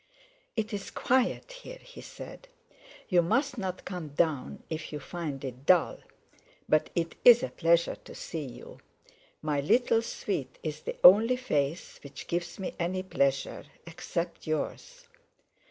"It's quiet here," he said; "you mustn't come down if you find it dull. But it's a pleasure to see you. My little sweet is the only face which gives me any pleasure, except yours."